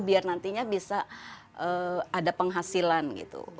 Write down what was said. biar nantinya bisa ada penghasilan gitu